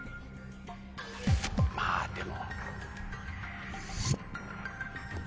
まぁでも。